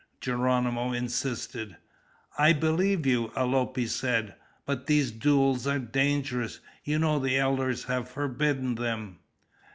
Geronimo insisted. "I believe you," Alope said. "But these duels are dangerous. You know the elders have forbidden them."